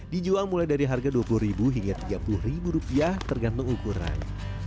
dijual mulai dari harga dua puluh ribu hingga tiga puluh ribu rupiah tergantung ukuran